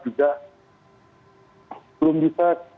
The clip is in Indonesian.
juga belum bisa